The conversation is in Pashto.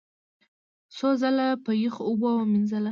څو ځله په یخو اوبو ومینځله،